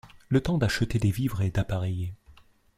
Le temps d’acheter des vivres et d’appareiller.